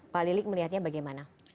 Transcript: pak lilik melihatnya bagaimana